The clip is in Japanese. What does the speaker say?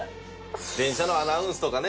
電車のアナウンスとかね